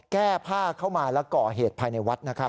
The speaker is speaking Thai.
แก้ผ้าเข้ามาแล้วก่อเหตุภายในวัดนะครับ